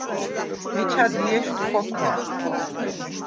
მიჩა დიეშდ ხოქვა: